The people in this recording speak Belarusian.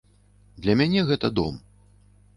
Для мяне гэта дом.